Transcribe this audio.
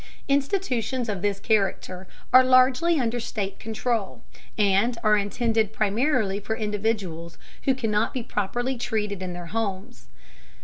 Institutions of this character are largely under state control, and are intended primarily for individuals who cannot be properly treated in their homes.